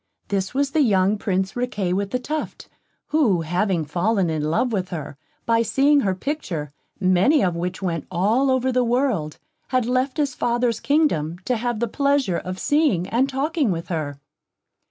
This was the young Prince Riquet with the Tuft, who having fallen in love with her, by seeing her picture, many of which went all the world over, had left his father's kingdom, to have the pleasure of seeing and talking with her.